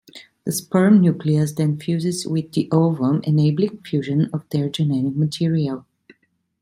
The sperm nucleus then fuses with the ovum, enabling fusion of their genetic material.